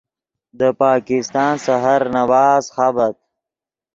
دے پاکستان سحر نماز خابت